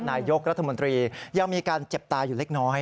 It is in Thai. นายกรัฐมนตรียังมีการเจ็บตาอยู่เล็กน้อย